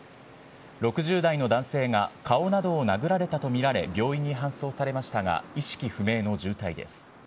６０代の男性が顔などを殴られたと見られ、病院に搬送されましたが、意識不明の重体です。